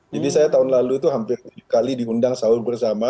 jadi saya tahun lalu itu hampir tujuh kali diundang sahur bersama